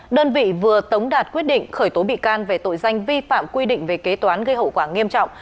đơn vị vừa tống đạt quyết định khởi tố bị can về tội danh vi phạm quy định về kế toán gây hậu quả nghiêm trọng